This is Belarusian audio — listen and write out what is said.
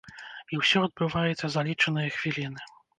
І ўсе адбываецца за лічаныя хвіліны.